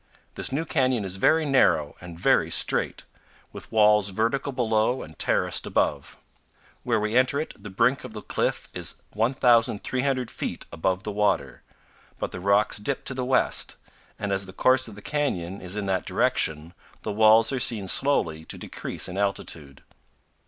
This new canyon is very narrow and very straight, with walls vertical below and terraced above. Where we enter it the brink of powell canyons 148.jpg REPAIRING BOATS AT THE MOUTH OF DIRTY DEVIL RIVER. the cliff is 1,300 feet above the water, but the rocks dip to the west, and as the course of the canyon is in that direction the walls are seen slowly to decrease in altitude.